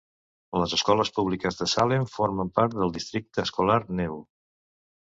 Les escoles públiques de Salem formen part del districte escolar Nebo.